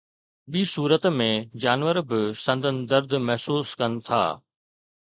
ٻي صورت ۾ جانور به سندن درد محسوس ڪن ٿا.